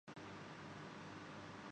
مطلب یہ ہے کہ کوئی یہ خیال نہ کرے